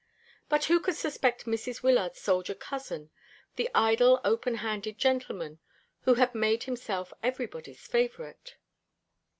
But who could suspect Mrs. Wyllard's soldier cousin, the idle open handed gentleman, who had made himself everybody's favourite?